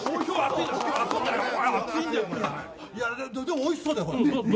おいしそうだよ。